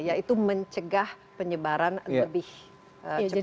yaitu mencegah penyebaran lebih cepat